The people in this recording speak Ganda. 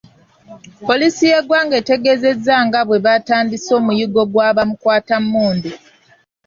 Poliisi y’eggwanga etegeezezza nga bwetandise omuyiggo gwa bamukwatammundu.